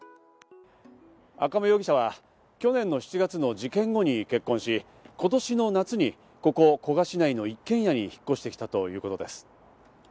赤間容疑者は去年の７月の事件後に結婚し、今年の夏にここ古河市内の一軒家に引っ越してきたということです。